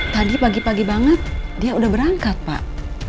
tadi pagi pagi banget dia udah berangkat pak